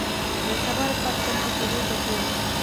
• د سبا لپاره چمتو کېدو ته کښېنه.